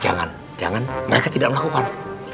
jangan jangan mereka tidak melakukan